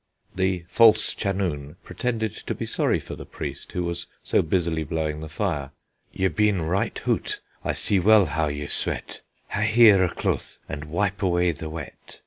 The "false chanoun" pretended to be sorry for the priest, who was so busily blowing the fire: Ye been right hoot, I se wel how ye swete; Have heer a clooth, and wipe awey the we't.